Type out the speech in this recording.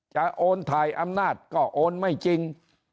โอนถ่ายอำนาจก็โอนไม่จริง